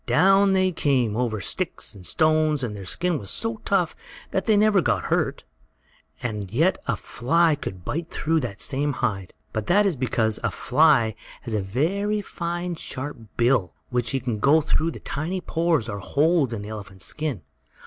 Down they came, over sticks and stones, and their skin was so tough that they never got hurt. And yet a fly could bite through that same hide! But that is because a fly has a very fine, sharp bill, which can go through the tiny pores, or holes, in the elephant's skin.